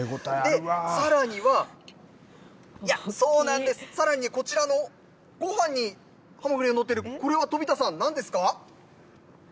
さらには、そうなんです、さらにこちらのごはんに、この上に載ってる、これはトビタさん、なんですか？